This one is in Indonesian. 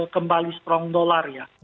kembali strong dollar ya